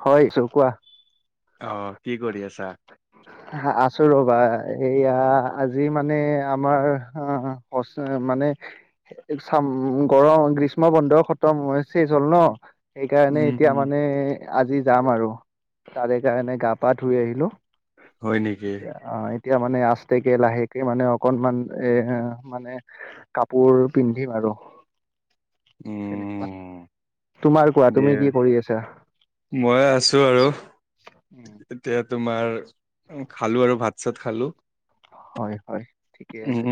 হয়, চ' কোৱা। অ', কি কৰি আছা? আছো ৰ'বা এইয়া আজি মানে আমাৰ মানে ইচাম গৰম গ্ৰীষ্ম বন্ধ খতম হৈছে চেছ হ'ল ন। সেইকাৰণে উম এতিয়া হম মানে আজি যাম আৰু তাৰে কাৰণে গা পা ধুই আহিলো। হয় নেকি? অ', এতিয়া মানে আচতেকে লাহেকে মানে অকনমান এ মানে কাপোৰ পিন্ধিম আৰু তেনেকুৱা। উম তোমাৰ কোৱা দে তুমি কি কৰি আছা? মই আছো আৰু এতিয়া তোমাৰ খালো আৰু ভাত চাত খালো। হয়, হয় ঠিকে আছে উম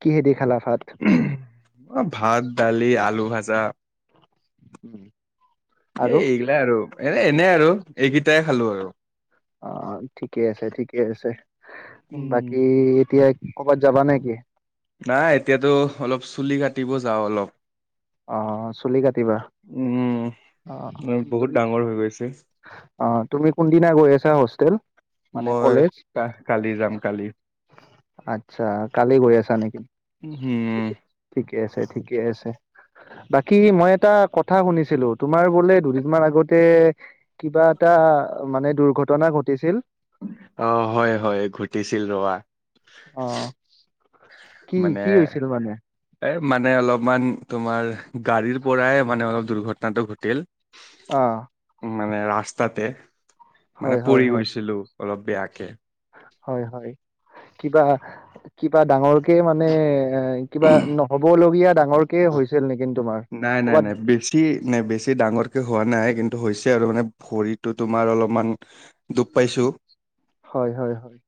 কিহেদি খালা ভাত? ভাত দালি আলু ভাজা। উম, আৰু এই এ আৰু এনে আৰু এইকেইটাই খালোঁ আৰু। অ', ঠিকে আছে, ঠিকে আছে, উম বাকী এতিয়া কৰ'বাত যাবা নেকি? নাই, এতিয়াতো অলপ চুলি কাটিব যাওঁ অলপ। অ', চুলি কাটিবা? উম, অ বহুত তুমি ডাঙৰ হৈ গৈছে। অ', তুমি কোনদিনা গৈ আছা হোষ্টেল মানে মই কলেজ? কা- কালি যাম কালি আচ্ছা, কালি গৈ আছা নেকি? উম, হুম। ঠিকে আছে, ঠিকে আছে। বাকী মই এটা কথা শুনিছিলোঁ তোমাৰ বোলে দুদিনমান আগতে। কিবা এটা মানে দুৰ্ঘটনা ঘটিছিল। অ', হয়, হয় ঘটিছিল ৰবা। অ'। কি মানে কি হৈছিল মানে এ, মানে অলপমান তোমাৰ গাড়ীৰ পৰাই মানে অলপ দুৰ্ঘটনাটো ঘটিল। অ'। মানে ৰাস্তাতে হয় মানে হয় পৰি হয় গৈছিলোঁ অলপ বেয়াকে। হয়, হয় কিবা, কিবা ডাঙৰকে মানে এ, কিবা নহ'বলগীয়া ডাঙৰ কে হৈছিল নেকি তোমাৰ? নাই, নাই, ক'বাত নাই, বেছি। নে বেছি ডাঙৰকে হোৱা নাই, কিন্তু হৈছে আৰু মানে ভৰিটো তোমাৰ অলপমান। দুখ পাইছোঁ। হয়, হয়, হয়।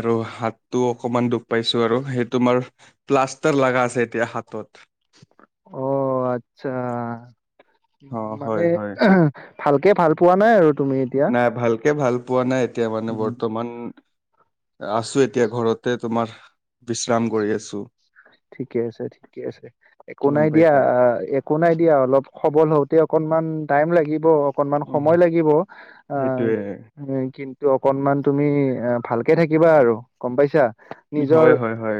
আৰু হাতটো অকমান দুখ পাইছোঁ আৰু সেইতোমাৰ প্লাষ্টাৰ লাগা আছে এতিয়া হাতত। অ', আচ্ছা, উম, অ মানে হয় হয় ভালকে ভাল পোৱা নাই আৰু তুমি। এতিয়া নাই ভালকে ভাল পোৱা নাই, এতিয়া মানে উম বৰ্তমান আছোঁ এতিয়া ঘৰতে। তোমাৰ বিশ্ৰাম কৰি আছোঁ। ঠিকে আছে, ঠিকে আছে একো গম নাই দিয়া। পাইছা একো নাই দিয়া অলপ সবল হওঁতে অকনমান টাইম লাগিব। অকনমান উম সময় লাগিব অ', সেইটোয়ে কিন্তু অকনমান তুমি এ, ভালকে থাকিবা আৰু গম পাইছা, নিজৰ হয়, হয়, হয়।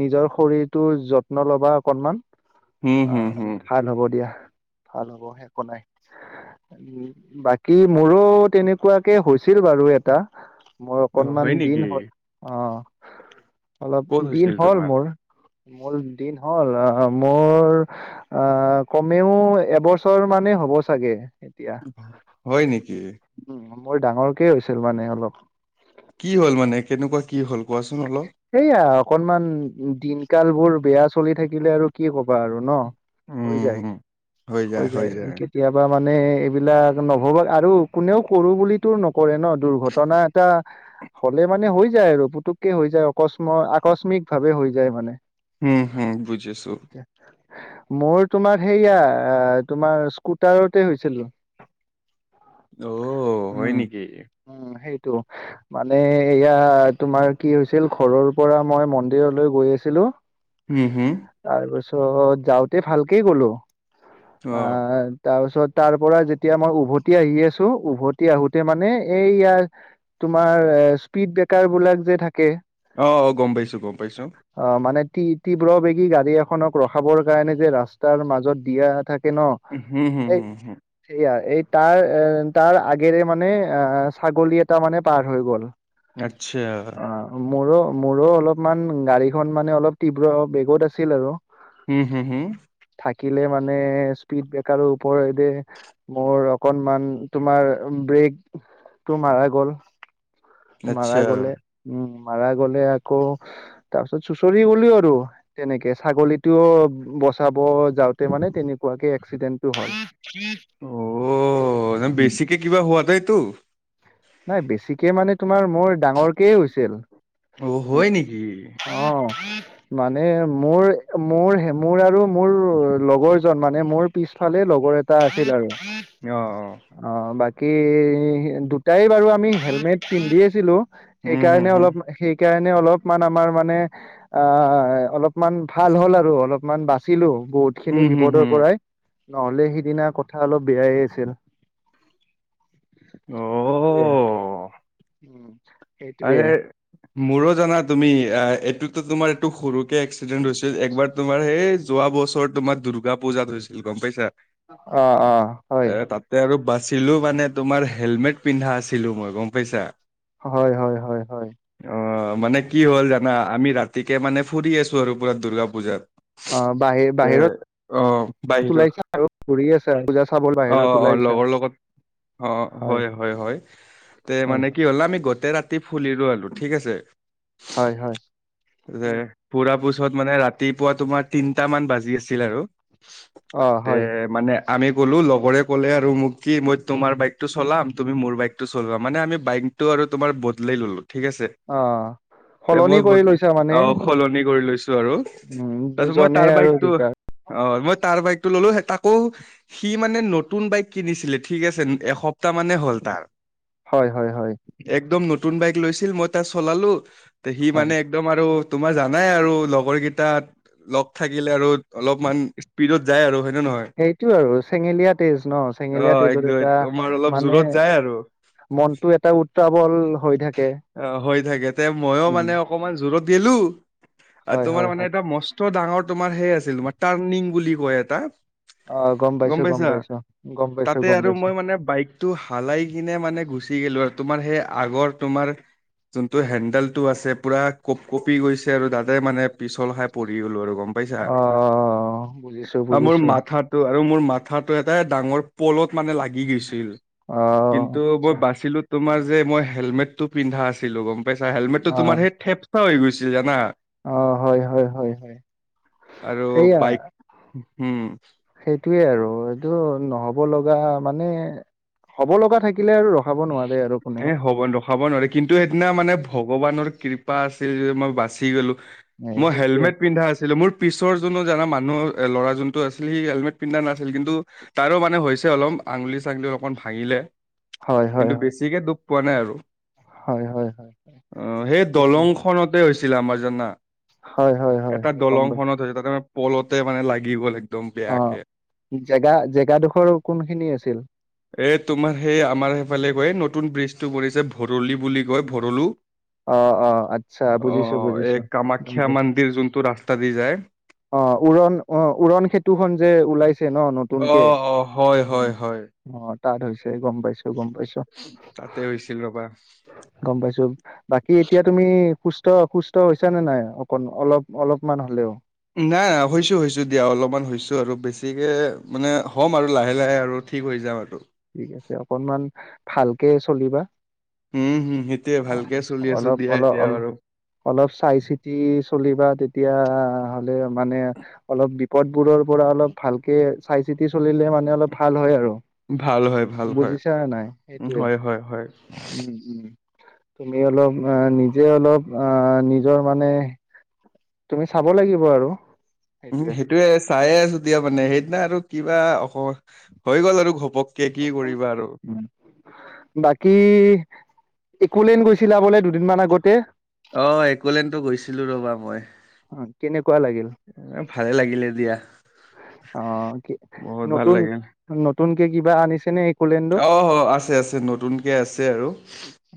নিজৰ শৰীৰটো যত্ন ল'বা অকনমান। হুম, অ', হুম, হুম। ভাল হ'ব দিয়া ভাল হ'ব একো নাই। বাকী মোৰো তেনেকুৱাকে হৈছিল বাৰু এটা। মোৰ অ', অকনমান হয় নেকি? দিন হল, অ', অলপ ক'ত হৈছিল দিন হ'ল তোমাৰ? মোৰ। মোৰ দিন হ'ল, অ', মোৰ অ', কমেও এবছৰ মানেই হ'ব চাগে। এতিয়া হয় নেকি? উম, মোৰ ডাঙৰকে হৈছিল মানে অলপ। কি হ'ল মানে কেনেকুৱা কি হ'ল? কোৱাচোন অলপ? সেইয়া অকনমান দিনকাল বোৰ বেয়া চলি থাকিলে আৰু কি কবা আৰু ন? হৈ উম, যায় হুম। হৈ যায়। কেতিয়াবা মানে এইবিলাক নভবা আৰু কোনেও কৰো বুলিতো নকৰে ন? দুৰ্ঘটনা এটা হ'লে মানে হৈ যায় আৰু পুতুককে হৈ যায় অকস্ম-আকস্মিক ভাৱে হৈ যায় মানে। উম, হুম, বুজিছোঁ। মোৰ তোমাৰ সেয়া, আ তোমাৰ স্কুটাৰতে হৈছিল। অ, হয় নেকি? উ, সেইটো। মানে এয়া তোমাৰ কি হৈছিল, ঘৰৰ পৰা মই মন্দিৰলৈ গৈ আছিলোঁ। উম হুম। তাৰপিছত, যাওঁতে ভালকেই গ'লো। অ', আহ তাৰপিছত তাৰ পৰা যেতিয়া মই উভতি আহি আছো, উভতি আহোঁতে মানে এইয়াৰ তোমাৰ স্পীড ব্ৰেকাৰ বোলাক যে থাকে। অ, অ। গম পাইছোঁ। গম পাইছোঁ। অ, মানে তীব্ৰ বেগী গাড়ী এখনক ৰখাবৰ কাৰণে যে ৰাস্তাৰ মাজত দিয়া থা কে ন', হুম, হুম, এই হুম, হুম। সেইয়া, এই তাৰ এ তাৰ আগেৰে মানে আহ ছাগলী এটা মানে পাৰ হৈ গ'ল। আটচা। অ, মোৰো, মোৰো অলপমান গাড়ীখন মানে অলপ তীব্ৰ বেগত আছিল আৰু। হম, হু হু। থাকিলে মানে স্পীড ব্ৰেকাৰৰ ওপৰৰেদে মোৰ অকনমান তোমাৰ ব্ৰেকটো মাৰা গ'ল। আচ্ছা। মাৰা গ'লে, উম মাৰা গ'লে আকৌ তাৰ পিছত চুচৰি গলিও আৰু তেনেকে ছাগলীতটোও ব চাব যাওঁতে মানে তেনেকুৱাকে এক্সিডেন্টটো হ'ল। অ', উম বেছিকে কিবা হোৱা নাইতো? নাই, বেছিকে মানে তোমাৰ মোৰ ডাঙৰকেই হৈছিল। অ', হয় নেকি? অ'। মানে মোৰ, মোৰহে মোৰ আৰু মোৰ লগৰ জন মানে মোৰ পিছফালে লগৰ এটা আছিল আৰু। অ, অ। অ, বাকী দুটাই বাৰু আমি হেলমেট পিন্ধি আছিলোঁ। হুম, হুম, সেইকাৰণে হুম। অলপ, সেইকাৰণে অলপমান আমাৰ মানে আ, অলপমান ভাল হ'ল আৰু অলপমান বাচিলো বহুত হুম, খিনি হুম, বিপদৰ হুম। পৰাই। নহ'লে সিদিনা কথা অলপ বেয়ায়ে আছিল। অ'। সেইটোএ। আৰে মোৰো জানা তুমি, আ এইটোতো তোমাৰ এইটো সৰুকে এক্সিডেন্ট হৈছিল। একবাৰ তোমাৰ সেই যোৱা বছৰ তোমাৰ দুূৰ্গা পূজাত হৈছিল। গম পাইছা। অ, অ। হয়। তে আৰু বাচিলো মানে তোমাৰ হেলমেট পিন্ধা আছিলো মই, গম পাইছা। হয়, হয়। হয়, হয়। অ', মানে কি হ'ল জানা? আমি ৰাতিকে মানে ফুৰি আছো আৰু পুৰা দুূৰ্গা পূজাত অ, বাহিৰ তে অ বাহিৰত বাহিৰৰ ওলাইছা আৰু ঘূৰি আছা। পূজা চাবলৈ অ বাহিৰত অ ওলাইছা। লগৰ অ, হয়। হয়। হয়। তে হয় মানে কি হ'ল আমি গ তে ৰাতি ফুলিলো আৰু ঠিক আছে। হয় হয় যে পুৰা পোছত মানে ৰাতিপুৱা তোমাৰ তিনটা মান বাজি আছিল আৰু। অ এ হয় মানে আমি ক'লো লগৰে ক'লে আৰু মোক কি মই তোমাৰ বাইকটো চলাম, তুমি মোৰ বাইকটো চলা। মানে আমি বাইকটো আৰু তোমাৰ বদলাই ল'লো, ঠিক আছে। অ'। এ, মই সলনি কৰি লৈছা মানে অ সলনি কৰি লৈছো আৰু। উম তাৰপিছত মই দুজনে তাৰ আৰু বাইকটো দুটা অ, মই তাৰ বাইকতটো ল'লো তাকো সি মানে নতুন বাইক কিনিছিলে ঠিক আছে এসপ্তাহ মানে হ'ল তাৰ হয় হয় হয় একদম নতুন বাইক লৈছিল মই তাত চলালো সি হয় মানে একদম আৰু তোমাৰ জানাই আৰু লগৰ কেইটাত লগ থাকিলে আৰু অলপমান স্পীডত যায় আৰু হয়েই নে নহয় সেইটো আৰু চেঙেলীয়া তেজ ন অ চেঙেলীয়া তেজৰ একদম এটা তোমাৰ অলপ মানে জোৰত যায় আৰু মনতটো এটা উত্ত্ৰাৱল হৈ থাকে অ হৈ থাকে তে মইো উম মানে অকমান জোৰত দিলো আৰু হয় তোমাৰ হয় মানে হয় এটা ম ডাঙৰ তোমাৰ সেই আছিল তোমাৰ টাৰ্ণিং বুলি কয় এটা অ পাইছো গম পাইছা পাইছো গম পাইছো তাতে গম আৰু পাইছো মই মানে বাইক টো হালাই কিনে মানে গুচি গলো আৰু তোমাৰ সেই আগৰ তোমাৰ যোনটো হেণ্ডেল টো আছে পুৰা কপ কঁপি গৈছে আৰু তাতে মানে পিছল খাই পঢ়ি গ'লো আৰু গম পাইছা অ বুজিছো মোৰ বুজিছো মাথাত তটো আৰু মোৰ মাথাটো এটা ডাঙৰ পলত মানে লাগি গৈছিল অ কিন্তু মই আচ্ছা বাচিলো তোমাৰ যে মই হেলমেটটো পিন্ধা আছিলো গম পাইছা হেলমেটটো অ তোমাৰ সেই থেপচা হৈ গৈছিল জানা অ হয় হয় হয় হয় আৰু সয়া বাইক উম সেইটোয়ে আৰু এইটো নহ'ব লগা মানে হ'ব লগা থাকিলে আৰু ৰখাব নোৱাৰে আৰু কোনেও এ হ'বন্তখ হব নোৱাৰে কিন্তু সেইদিনা মানে ভগৱানৰ কৃপা আছিল যে মই বাচি গলো এ মই সেইটোৱে হেলমেট পিন্ধা আছিলো মোৰ পিছৰ যোনো জানা মানুহ ল'ৰা যোনটো আছিল সি হেলমেট পিন্ধা নাছিল কিন্তু তাৰো মানে হৈছে অলপ আঙুলি চাঙলুলি অলপমান ভাঙিলে হয় হয় কিন্তু হয় বেছিকে দুখ পোৱা নাই আৰু হয় হয় হয় আহ সেই সেইটোৱে দলং খতে হৈছিলে আমাৰ জানা হয় হয় হয় এটা হয় গম দলং পাই খনত হৈছিল তাতেে পলতে মানে লাগিব লাগিব অ জেগা জেগাডোখৰ কোনখিনি আছিল এ তোমাৰ সেই আমাৰ সেইফালে কয় নতুন ব্ৰিজটো পৰিছে ভৰলি বুলি কয় ভৰলো অ অ আচ্ছা অ বুজিছো বুজিছো এই গম কামাখ্যা পাইছো মন্দিৰ যোনটো ৰাস্তা দি যায় অ উৰণ অ উৰণ সেতুখন যে ওলাইছে ন ন নতুনকে অ' অ' হয় হয় হয়। অ তাত হৈছে গম পাইছো াইছো গম পাইছো তাতে হৈছিল ৰ'বা। গম পাইছো বাকী এতিয়া তুমি সুস্থ অসুস্থছ নে নাই অক অলপ অলপমান হলেও নাই নাই হৈছো হৈছো দিয়া অলপমান হৈছো আৰু বেছিকে মানে হ'ম আৰু লাহে লাহে আৰু ঠিক হৈ যাাম আৰুটো ঠিক আছে অকনমান ভালকে চলিবা উম হুম সেইটোয়ে অ ভালকে চলি আছো অলপ দিয়া অলপ এতিয়া অল বাৰু অলপ চাই চিতি চলিবা তেতিয়া হ'লে মানে অলপ বিপদবোৰৰ পৰা অলপ ভালকে চাই চিতি চলিলে মানে অলপ ভাল হয় আৰু ভাল হয় ভাল হয়। বুজিছা নাই উম সেইটোয়ে হয় হয় হয়। উম উম তুমি অলপ অ নিজে অলপ আহ নিজৰ মানে তুমি চাব লাগিব আৰু উম সেইটোয়ে চাইে আছো দিয়া মানে সেইদিনা আৰু কিবা অ হৈ গ'ল আৰু ঘপক কে কি কৰিবা আৰু উম বাকী একোলেন গৈছিলা বোলে দুদিনমান আগতে অ একোলেনো গৈছিলো ৰবা মই অ কেনেকুৱা লাগিল এ ভালে লাগিলে দিয়া অ কি বহুত ভাল নতুন লাগিল নতুনকে কিবা আনিছে নে একোলেণ্ডত অ আছে আছে নতুনকে আছে আৰু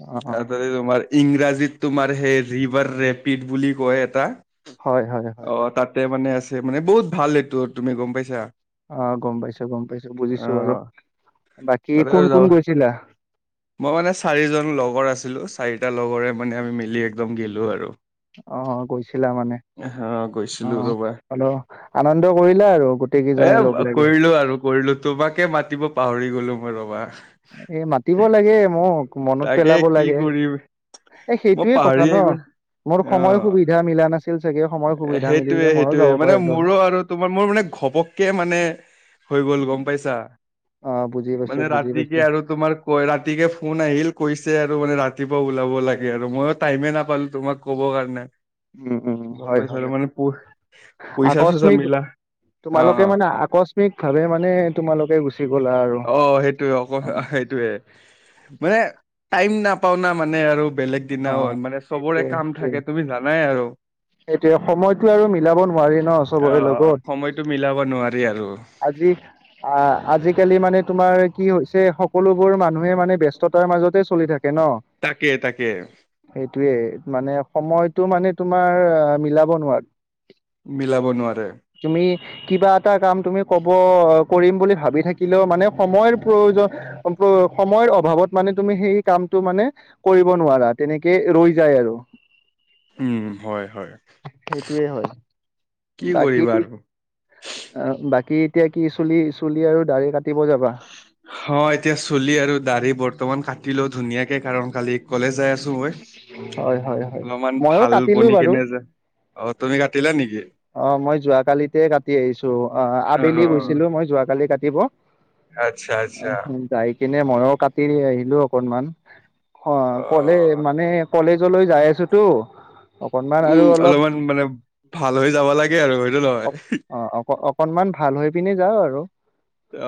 অ', অ', ত তোমাৰ ইংৰাজীত তোমাৰ সেই ৰিভাৰ ৰেপিড বুলি কয় এটা হয়, হয়, হয়, অ হয়। তাত মানে আছে মানে বহুত ভাল এইটো তুমি গম পাইছা অ গম পাইছো গম পাইছো অ বুজিছো আৰু বাকী তাতে কোন আৰু কোন যাবা গৈছিলা মই মানে চাৰিজন লগৰ আছিলো চাৰিটা লগৰে মানে আমি মিলি একদম গেলোঁ আৰু অ গৈছিলা মানে গৈছো অ অল আনন্দ কৰিলো আৰু গোটেই এ কেইজনে লগ লাগে কৰিলো আৰু কৰিলো তোমাকে মাতিব পাহৰি গলো মই ৰবা এই মাতিব লাগে মোক মনত তাকে পেলাব কি লাগে কৰিম এ মই সেইটোয়ে কথা ন পাহৰিয়ে গলো মোৰ সময়ো অ সুবিধা মিলান ন ছিল চাগে সময় সুবিধা সেইটোয়ে মিলিলে ময়ো সেইটোয়ে যাব মানে পাৰিলো হয়। মোৰো আৰু তোমাৰ মোৰ মানে ঘবককে মানে হৈ গল গম পাইছা অ বুজি পাইছ মানে বুজি পছ ৰাতিকে আৰু তোমাৰ ক ৰাতিকে ফোন আহিল কৈছে আৰু মানে ৰাতিপুৱা ওলাব লাগে আৰু মইো টাইমে নাপালো তোমাক ক'ব কাৰণে উম উম গম হয় পাইছা হয় আৰু মানে প পইচা চইচা আকস্মিক মিলা অ তোমালোকে মানে আকস্মিক ভাৱে মানে তোমালোকে গু চি গ'লা আৰু অ সেইটোয়ে অক অ', সেইটোয়ে মানে টাইম নাপাও ন মানে আৰু বেলেগ দিনা অ', হল মানে চবৰে সেইটোৱে, কাম সেইটোৱে। থাকে তুমি জানাই আৰু সেইটোৱে সময়টো আৰু মিলাব নোৱাৰি ন অ চবৰে লগত সময়তটো মিলাব নোৱাৰি আৰু আজি আ আজিকালি মানে তোমাৰ কি হৈছে সকলোবোৰ মানুহে মানে ব্যস্ততাৰ মাজতে চলি থাকে ন তাকে তাকে সেইটোয়ে মানে সময়তটো মানে তোমাৰ মিলাব নোৱাৰো মিলাব নোৱাৰে তুমি কিবা এটা কাম তুমি কব কৰিম বুলি ভাবি থাকিলেও মানে সময়ৰ প্ৰয়োজন সময়ৰ অভাৱত মানে তুমি সেই কামটো মানে কৰিব নোৱাৰা তেনেকে ৰৈ যায় আৰু উম হয় হয় সেইটোয়ে হয় কি কৰিবা আৰু অ বাকী এতিয়া কি চুলি চুলি আৰু দ়ি কাটিব যাবা অ এতিয়া চলি আৰু দাঢ়ি বৰ্তমান কাটিলও ধুনীয়াকে কাৰণ কালি কলে যাই আছো মই হয় হয় হয় অলপমান মইও ভাল কাটিলো বনি বাৰু কেনে যে অ তুমি কাটিলা নেকি অ মই যোৱাকালিতে কাটি আহিছো অ আবেলি অ' গৈছিলো মই যোৱাকালি কাটিব আচ্ছা আচ্ছা যাই কিনে ময় কাটি আহিলো অকনমান অ কলে অ' মানে কলেজলৈ যাই আছোতো অকনমান আৰু উম অলপ অলপমান মানে ভাল হৈ যাব লাগে আৰু সেইটো নহয় অ অক অকনমান ভাল হৈ পিি যাওঁ আৰু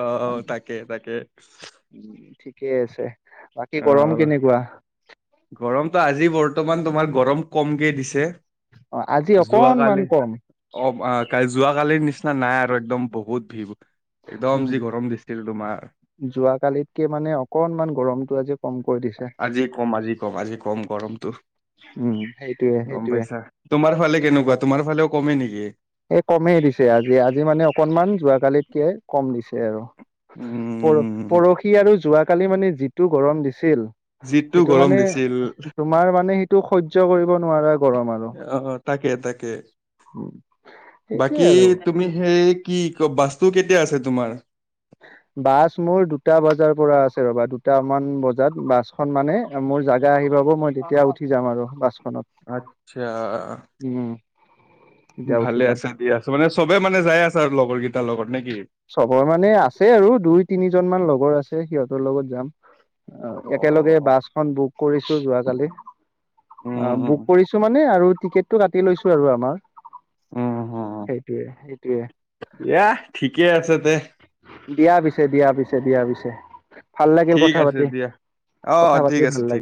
অ তাকে তাকে উম ঠিকে আছে বাকী গৰম কেনেকুৱা গৰমতটো আজি বৰ্তমান তোমাৰ গৰম কমকে দিছে অ আজি দুৱ অকনমান কালে কম অ' ক যোৱাকালিৰ নিচিনা নাই আৰু একদম বহুত ভিৰ একদম যি গৰম দিছিল তোমাৰ। যোৱা কালিতকে মানে অকনমান গৰমটো আজি কমকৈ দিছে আজি কম, আজি কম, আজি কম, গৰমটো, উম সেইটোয়ে গম সেইটোয়ে পাইছা? তোমাৰ ফালে কেনেকুৱা, তোমাৰ ফালেও কমে নেকি? এই কমেই দিছে আজি-আজি মানে অকনমান যোৱাকালিতকে কম দিছে আৰু। উম পৰ-পৰহি আৰু যোৱাকালি মানে যিটো গৰম দিছিল যিটো সেইটো গৰম মানে দিছিল তোমাৰ মানে সেইটো সহ্য কৰিব নোৱাৰা গৰম আৰু অ', তাকে-তাকে সেইটোয়ে বাকী আৰু তুমি সেই কি বাছটো কেতিয়া আছে তোমাৰ? বাছ মোৰ দুটা বজাৰ পৰা আছে ৰ'বা দুটামান বজাত বাছ খন মানে মোৰ জাগা আহি পাব। মই তেতিয়া উঠি যাম আৰু বাছখনত। আটচ্ছা। উম। তেতিয়া উঠি ভালে যাম আছা দিয়া মানে চবে মানে যাই আছে আৰু লগৰ কেইটাৰ লগত নে কি? চবৰ মানে আছে আৰু দুই তিনিজন মান লগৰ আছে সিহঁতৰ লগত যাম। অ' একেলগে বাছখন বুক কৰিছো যোৱাকালি। উম অ' উম বুক কৰিছো মানে আৰু টিকেটটো কাটি লৈছো আৰু আমাৰ। সেইটোৱে সেইটোৱে। এয়া ঠিকে আছে দেহ। দিয়া পিছে, দিয়া পিছে, দিয়া পিছে। ভাল লাগিল ঠিক কথা আছে পাতি, দিয়া অ কথা পাতি ঠিক আছে ভাল ঠিক লাগিল।